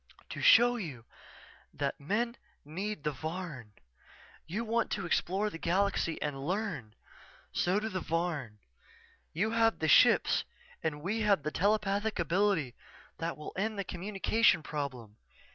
"_To show you that men need the Varn. You want to explore the galaxy, and learn. So do the Varn. You have the ships and we have the telepathic ability that will end the communication problem.